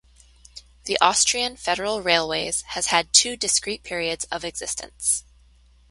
The Austrian Federal Railways has had two discrete periods of existence.